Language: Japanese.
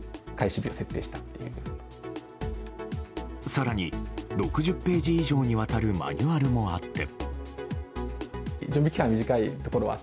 更に、６０ページ以上にわたるマニュアルもあって。